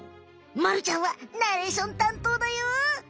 まるちゃんはナレーションたんとうだよ。